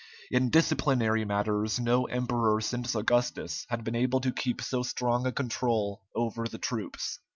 In disciplinary matters no emperor since Augustus had been able to keep so strong a control over the troops.